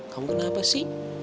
kamu kenapa sih